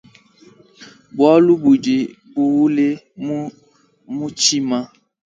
Bualu budi buule mu mutshima.